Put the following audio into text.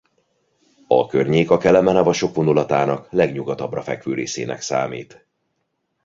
A környék a Kelemen-havasok vonulatának legnyugatabbra fekvő részének számít.